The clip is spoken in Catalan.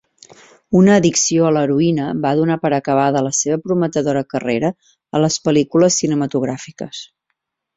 Una addició a la heroïna va donar per acabada la seva prometedora carrera a les pel·lícules cinematogràfiques.